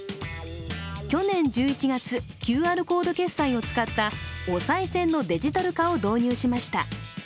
去年１１月、ＱＲコード決済を使ったおさい銭のデジタル化を導入しました。